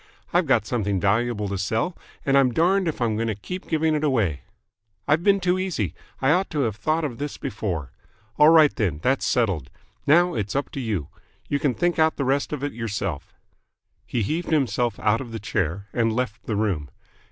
I've got something valuable to sell, and I'm darned if I'm going to keep giving it away. I've been too easy. I ought to have thought of this before. All right, then, that's settled. Now it's up to you. You can think out the rest of it yourself." He heaved himself out of the chair, and left the room.